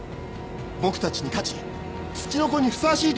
僕たちに勝ちツチノコにふさわしいと。